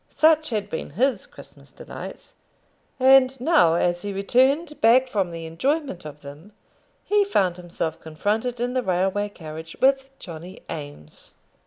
Such had been his Christmas delights; and now, as he returned back from the enjoyment of them, he found himself confronted in the railway carriage with Johnny Eames!